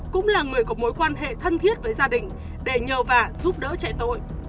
cũng là người có mối quan hệ thân thiết với gia đình để nhờ và giúp đỡ trại tội